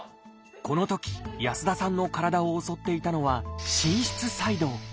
このとき安田さんの体を襲っていたのは「心室細動」。